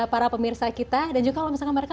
para pemirsa kita dan juga kalau misalkan mereka